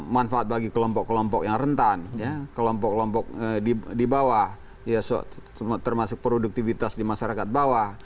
manfaat bagi kelompok kelompok yang rentan kelompok kelompok di bawah termasuk produktivitas di masyarakat bawah